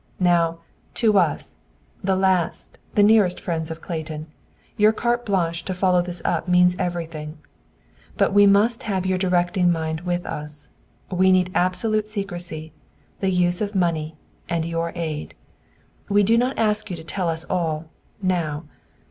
Now, to us, the last, the nearest friends of Clayton, your carte blanche to follow this up means everything. But we must have your directing mind with us; we need absolute secrecy, the use of money, and your aid. We do not ask you to tell us all, now.